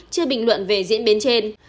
chưa bình luận về diễn biến trên